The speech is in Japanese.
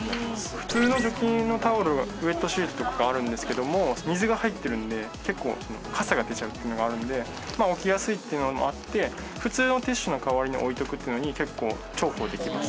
普通の除菌のタオルウェットシートとかがあるんですけども水が入ってるので結構かさが出ちゃうというのがあるので置きやすいというのもあって普通のティッシュの代わりに置いておくっていうのに結構重宝できます。